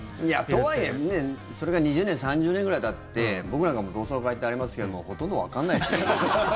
とはいえ、それが２０年、３０年ぐらいたって僕なんかも同窓会ってありますけどほとんどわかんないですよ。